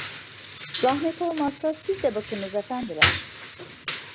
Zahmet olmazsa siz de bakınız efendiler…